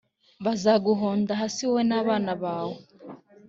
Bazaguhonda hasi wowe n’abana bawe